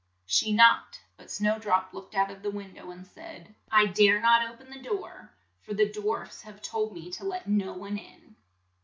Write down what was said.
She knocked, but Snow drop looked out of the win dow and said, "I dare not o pen the door, for the dwarfs have told me to let no one in."